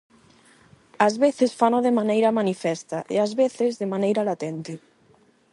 Ás veces fano de maneira manifesta e, ás veces, de maneira latente.